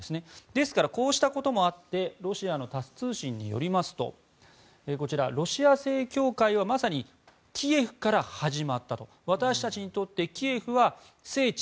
ですから、こうしたこともあってロシアのタス通信によりますとロシア正教会はまさにキエフから始まった私たちにとってキエフは聖地